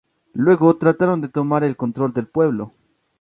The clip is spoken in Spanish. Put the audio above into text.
Luego, trataron de tomar el control del pueblo.